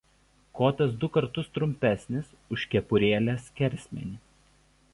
Kotas du kartus trumpesnis už kepurėlės skersmenį.